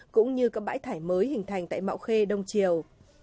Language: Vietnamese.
cũng như các bãi thải mới hình thành tại mạo khê đông triều